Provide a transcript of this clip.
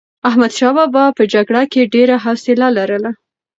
احمدشاه بابا په جګړه کې ډېر حوصله لرله.